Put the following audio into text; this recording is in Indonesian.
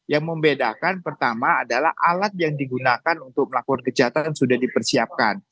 yang membedakan pertama adalah alat yang digunakan untuk melakukan kejahatan sudah dipersiapkan